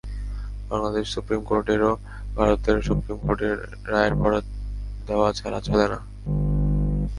Bangladesh supreme কোর্টেরও ভারতের supreme কোর্টের রায়ের বরাত দেওয়া ছাড়া চলে না।